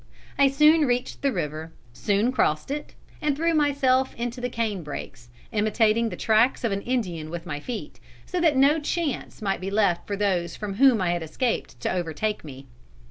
I soon reached the river, soon crossed it, and threw myself into the cane brakes, imitating the tracks of an Indian with my feet, so that no chance might be left for those from whom I had escaped to overtake me.